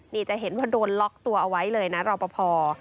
นี่จะเห็นว่าโดนล็อกตัวเอาไว้เลยนะรอปภ